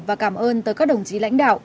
và cảm ơn tới các đồng chí lãnh đạo